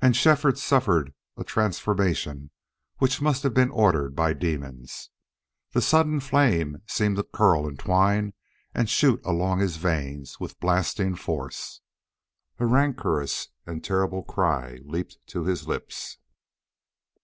And Shefford suffered a transformation which must have been ordered by demons. That sudden flame seemed to curl and twine and shoot along his veins with blasting force. A rancorous and terrible cry leaped to his lips.